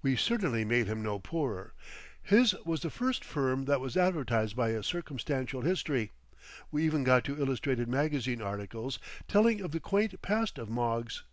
We certainly made him no poorer. His was the first firm that was advertised by a circumstantial history; we even got to illustrated magazine articles telling of the quaint past of Moggs.